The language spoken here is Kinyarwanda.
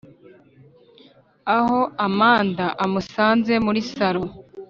aho amanda amusanze muri saro